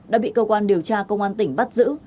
đã bị cơ quan điều tra công an tỉnh bắt giữ